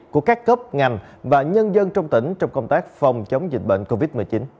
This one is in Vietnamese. của các cấp ngành và nhân dân trong tỉnh trong công tác phòng chống dịch bệnh covid một mươi chín